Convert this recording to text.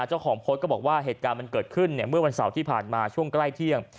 เจ้าของโพสต์ก็บอกว่าเหตุการณ์มันเกิดขึ้นเนี่ยเมื่อวันเสาร์ที่ผ่านมาช่วงใกล้เที่ยง